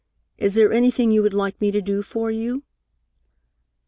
Is there anything you would like me to do for you?"